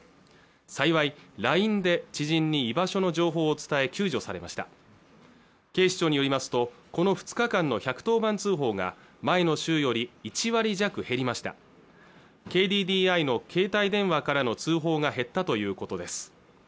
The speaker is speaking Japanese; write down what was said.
幸いＬＩＮＥで知人に居場所の情報を伝え救助されました警視庁によりますとこの２日間の１１０番通報が前の週より１割弱減りましたＫＤＤＩの携帯電話からの通報が減ったということです